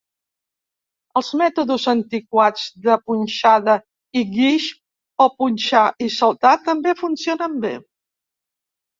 Els mètodes antiquats de "punxada i guix" o "punxar i saltar" també funcionen bé.